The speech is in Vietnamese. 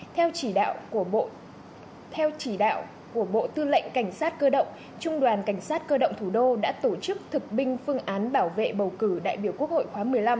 theo chỉ đạo theo chỉ đạo của bộ tư lệnh cảnh sát cơ động trung đoàn cảnh sát cơ động thủ đô đã tổ chức thực binh phương án bảo vệ bầu cử đại biểu quốc hội khóa một mươi năm